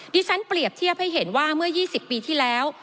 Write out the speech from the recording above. ที่ฉันเปรียบเทียบให้เห็นว่าเมื่อ๒๐ปีที่แล้ว